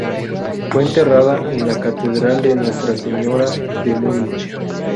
Fue enterrada en la Catedral de Nuestra Señora de Múnich.